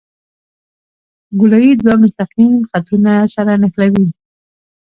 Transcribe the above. ګولایي دوه مستقیم خطونه سره نښلوي